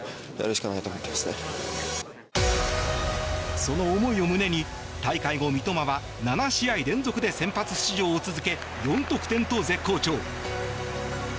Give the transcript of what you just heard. その思いを胸に大会後、三笘は７試合連続で先発出場を続け４得点と絶好調。